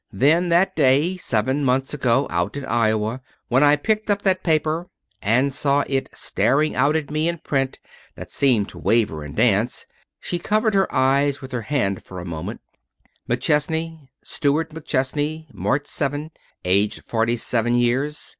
Then, that day seven months ago out in Iowa, when I picked up that paper and saw it staring out at me in print that seemed to waver and dance" she covered her eyes with her hand for a moment "'McChesney Stuart McChesney, March 7, aged forty seven years.